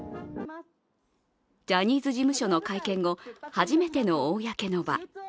ジャニーズ事務所の会見後、初めての公の場。